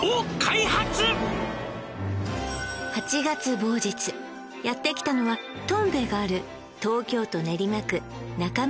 そんなやってきたのはとんべいがある東京都練馬区中村